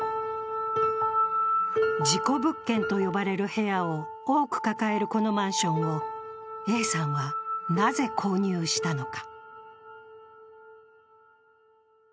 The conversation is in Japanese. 事故物件と呼ばれる部屋を多く抱えるこのマンションをＡさんは、なぜ購入したのか。